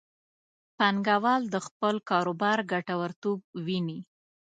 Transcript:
پانګوال د خپل کاروبار ګټورتوب ویني.